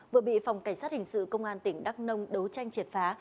vừa bị phòng cảnh sát hình sự công an tỉnh đắk nông đấu tranh triệt phá